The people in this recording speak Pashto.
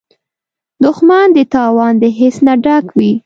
دښمن د تاوان د حس نه ډک وي